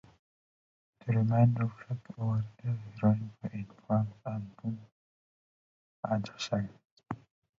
The remaining track, "Over the Rainbow", is from the album "The Other Side".